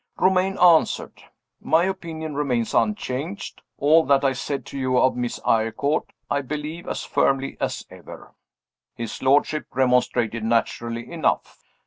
Romayne answered: "My opinion remains unchanged. All that I said to you of Miss Eyrecourt, I believe as firmly as ever." His lordship remonstrated, naturally enough.